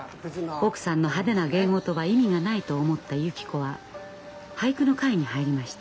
奥さんの派手な芸事は意味がないと思ったゆき子は俳句の会に入りました。